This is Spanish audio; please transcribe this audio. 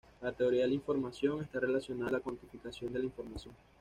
La teoría de la información está relacionada a la cuantificación de la información.